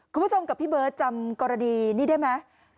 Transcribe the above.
คุณผู้ชมกับพี่เบิร์ตจำกรณีนี้ได้ไหม